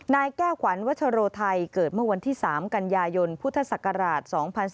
นายแก้วขวัญวัชโรไทยเกิดเมื่อวันที่๓กันยายนพุทธศักราช๒๔